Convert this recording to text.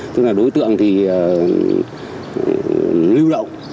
tức là đối tượng thì lưu động